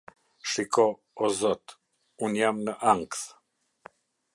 Shiko, o Zot, unë jam në ankth.